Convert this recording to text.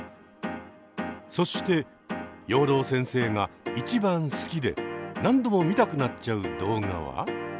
そして養老先生が一番好きで何度も見たくなっちゃう動画は？